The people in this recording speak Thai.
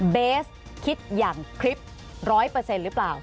เบสคิดอย่างคลิป๑๐๐หรือเปล่า